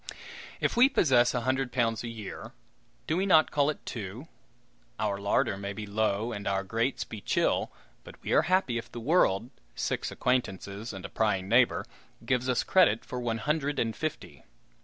If we possess a hundred pounds a year, do we not call it two? Our larder may be low and our grates be chill, but we are happy if the "world" (six acquaintances and a prying neighbor) gives us credit for one hundred and fifty.